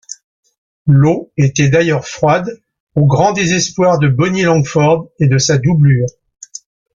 L'eau était d'ailleurs froide au grand désespoir de Bonnie Langford et de sa doublure.